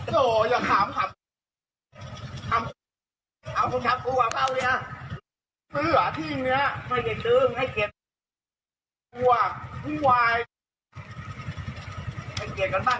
ซื้ออาทิตย์เนี้ยไม่เกลียดดึงไม่เกลียดกลัวห้วายไม่เกลียดกันบ้าง